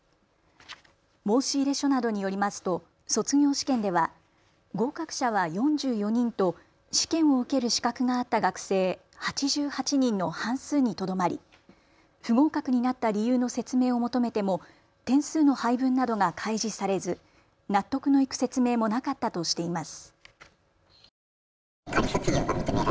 申し入れ書などによりますと卒業試験では合格者は４４人と試験を受ける資格があった学生８８人の半数にとどまり不合格になった理由の説明を求めても点数の配分などが開示されず納得のいく説明もなかったとしています。